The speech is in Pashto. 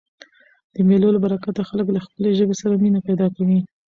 د مېلو له برکته خلک له خپلي ژبي سره مینه پیدا کوي.